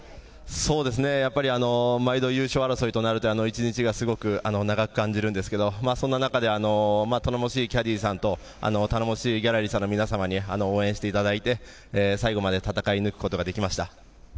そうですね、やっぱり毎度、優勝争いとなると、１日がすごく長く感じるんですけど、そんな中で、頼もしいキャディーさんと頼もしいギャラリーの皆様に応援していただいて、最後まで戦い抜くことができました。